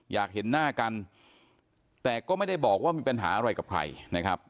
อยากเห็นหน้ากันแต่ก็ไม่ได้บอกว่ามีปัญหาอะไรกับใครนะครับ